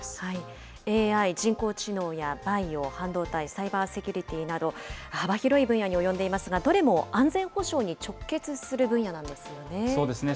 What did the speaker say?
ＡＩ・人工知能やバイオ、半導体、サイバーセキュリティなど、幅広い分野に及んでいますが、どれも安全保障に直結する分野なんですよね。